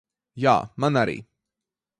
Jā, man arī.